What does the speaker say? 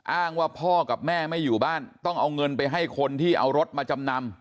อ้างว่าพ่อกับแม่ไม่อยู่บ้านต้องเอาเงินไปให้คนที่เอารถมาจำนำ